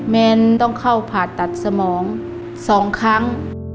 แนนต้องเข้าผ่าตัดสมอง๒ครั้ง